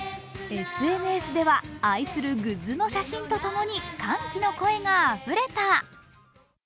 ＳＮＳでは、愛するグッズの写真とともに歓喜の声があふれた。